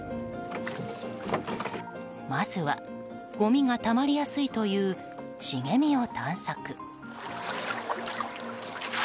まずは、ごみがたまりやすいという茂みを探索。